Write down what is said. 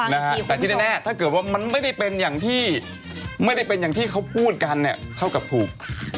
แต่ที่แน่ถ้าเกิดว่ามันไม่ได้เป็นอย่างที่เขาพูดกันเข้ากับถูก